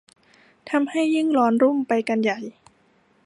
ทำให้ยิ่งร้อนรุ่มไปกันใหญ่